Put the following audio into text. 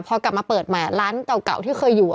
พอกลับมาเปิดใหม่ร้านเก่าที่เคยอยู่